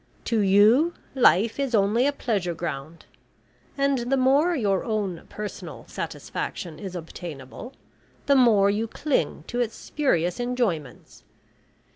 To you life is only a pleasure ground, and the more your own personal satisfaction is obtainable, the more you cling to its spurious enjoyments.